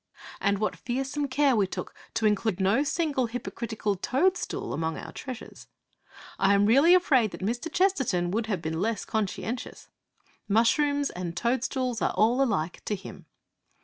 And what fearsome care we took to include no single hypocritical toadstool among our treasures! I am really afraid that Mr. Chesterton would have been less conscientious. Mushrooms and toadstools are all alike to him.